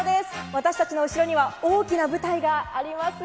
私たちの後ろには大きな舞台があります。